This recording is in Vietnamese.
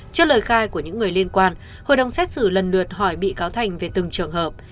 trước lời khai của những người liên quan hội đồng xét xử lần lượt hỏi bị cáo thành về từng trường hợp